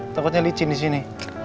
takutnya licin disini